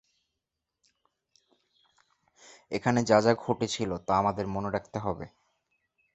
এখানে যা যা ঘটেছিল তা আমাদের মনে রাখতে হবে।